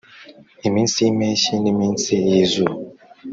iminsi yimpeshyi, niminsi yizuba,